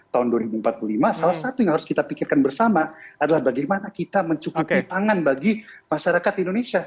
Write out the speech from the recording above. tahun dua ribu empat puluh lima salah satu yang harus kita pikirkan bersama adalah bagaimana kita mencukupi pangan bagi masyarakat indonesia